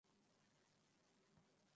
আমি lucky Scottish বিড়াল।